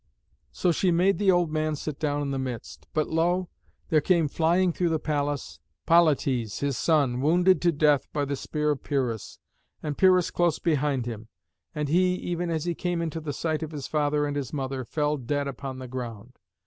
So she made the old man sit down in the midst. But lo! there came flying through the palace, Polites, his son, wounded to death by the spear of Pyrrhus, and Pyrrhus close behind him. And he, even as he came into the sight of his father and his mother, fell dead upon the ground.